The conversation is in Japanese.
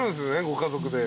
ご家族で。